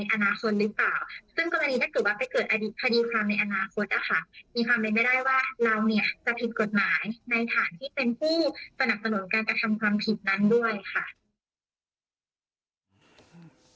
ในฐานที่เป็นผู้สนับสนุนการทำความผิดนั้นด้วย